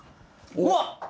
うわっ！